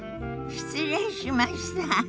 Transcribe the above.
失礼しました。